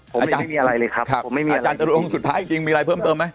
ผมยังไม่มีอะไรเลยครับครับผมไม่มีอาจารย์จรวงสุดท้ายจริงมีอะไรเพิ่มเติมไหม